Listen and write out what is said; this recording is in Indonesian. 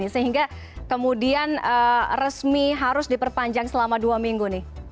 sehingga kemudian resmi harus diperpanjang selama dua minggu nih